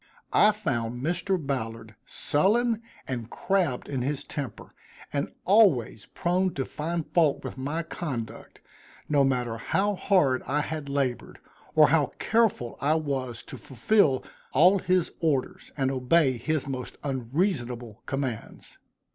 I found Mr. Ballard sullen and crabbed in his temper, and always prone to find fault with my conduct no matter how hard I had labored, or how careful I was to fulfil all his orders, and obey his most unreasonable commands.